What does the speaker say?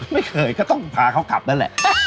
ไม่เคยก็ต้องพาเขากลับได้แหละ